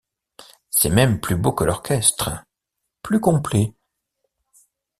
C’est même plus beau que l’orchestre, plus complet.